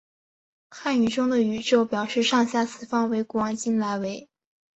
汉语中的宇宙表示上下四方为古往今来为。